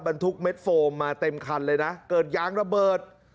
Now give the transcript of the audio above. ทุกเม็ดโฟมมาเต็มคันเลยนะเกิดยางระเบิด